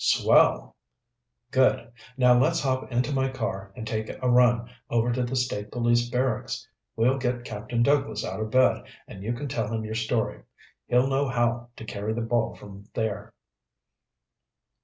"Swell." "Good. Now let's hop into my car and take a run over to the State Police Barracks. We'll get Captain Douglas out of bed and you can tell him your story. He'll know how to carry the ball from there."